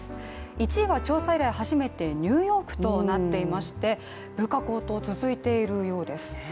１位は調査以来初めてニューヨークとなっていまして物価高騰、続いているようです。